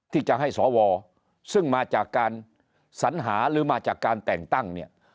ที่จะให้สวซึ่งมาจากการสัญหาหรือมาจากการแต่งตั้งเนี่ย